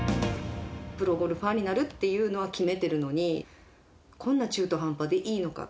プロゴルファーになるっていうのは決めてるのに、こんな中途半端でいいのか。